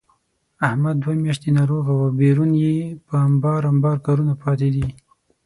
احمد دوه میاشتې ناروغه و، بېرون یې په امبار امبار کارونه پاتې دي.